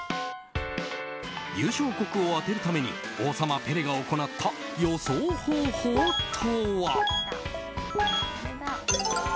優勝国を当てるために王様、ペレが行った予想方法とは。